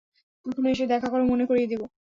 কখনও এসে দেখা কর, মনে করিয়ে দিবো।